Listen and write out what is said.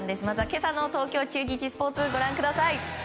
まずは今朝の東京中日スポーツご覧ください。